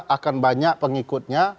akan banyak pengikutnya